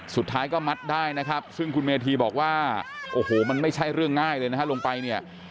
สุดท้ายก็มัดได้นะครับซึ่งคุณเมธีบอกว่าโอ้โหมันไม่ใช่เรื่องง่ายเลยนะฮะลงไปเนี่ย